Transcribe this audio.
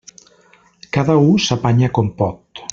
Cada u s'apanya com pot.